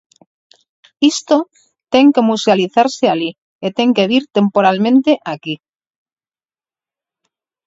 Isto ten que musealizarse alí, e ten que vir temporalmente aquí.